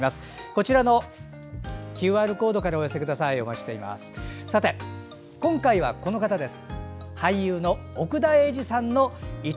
こちらのＱＲコードにお寄せください。